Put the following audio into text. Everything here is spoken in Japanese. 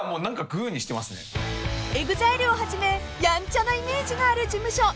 ［ＥＸＩＬＥをはじめやんちゃなイメージがある事務所ＬＤＨ］